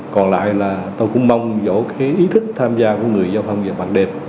còn lại là tôi cũng mong vỗ ý thức tham gia của người giao thông bằng đềm